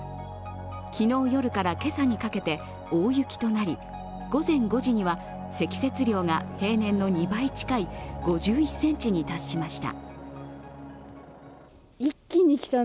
昨日夜から今朝にかけて大雪となり午前５時には積雪量が平年の２倍近い５１ｃｍに達しました。